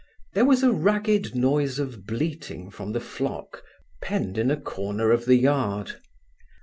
There was a ragged noise of bleating from the flock penned in a corner of the yard.